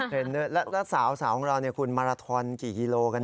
เทรนเนอร์แล้วสาวของเราคุณมาราทรอนกี่กิโลกันอย่าง